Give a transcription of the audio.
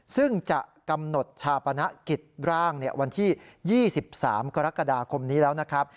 ซึ่งจะกำหนดชาปนกิจร่างวันที่๒๓กรกฎาคมนี้แล้วนะครับ